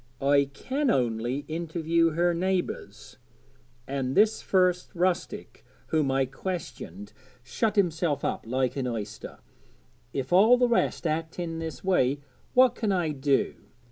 I can only interview her neighbours; and this first rustic whom I questioned shut himself up like an oyster; if all the rest act in this way, what can I do?